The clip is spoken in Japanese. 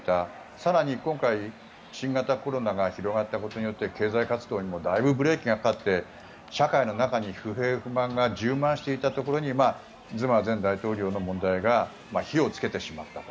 更に、今回、新型コロナが広がったことによって経済活動にもだいぶブレーキがかかって社会の中に不平不満が充満していたところにズマ前大統領の問題が火をつけてしまったと。